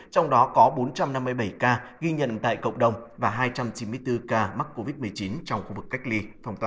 trong đó có bốn trăm năm mươi bảy ca ghi nhận tại cộng đồng và hai trăm chín mươi bốn ca mắc covid một mươi chín trong khu vực cách ly